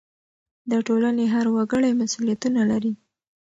د ټولنې هر وګړی مسؤلیتونه لري.